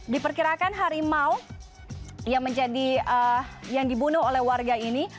di perkirakan harimau yang dibunuh oleh warga ini